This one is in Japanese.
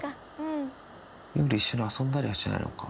夜一緒に遊んだりはしてないのか。